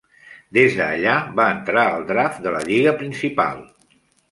Des d'allà va entrar al draft de la lliga principal.